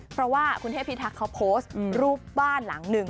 เพราะว่าคุณเทพิทักษ์เขาโพสต์รูปบ้านหลังหนึ่ง